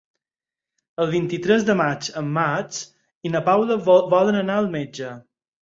El vint-i-tres de maig en Max i na Paula volen anar al metge.